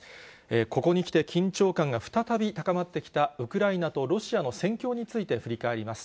ここにきて、緊張感が再び高まってきたウクライナとロシアの戦況について振り返ります。